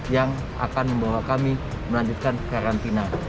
yang akan membawa kami melanjutkan karantina